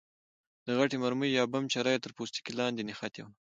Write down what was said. د غټې مرمۍ یا بم چره یې تر پوستکي لاندې نښتې وه.